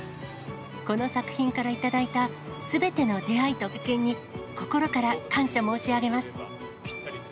この作品から頂いたすべての出会いと経験に、心から感謝申し上げます。